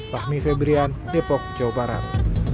fahmi febrian depok jawa barat